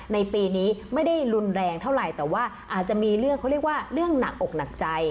ในปีนี้ไม่ได้รุนแรงเท่าไหร่แต่ว่าอาจจะมีเรื่องเขาเรียกว่าเรื่องหนักอกหนักใจ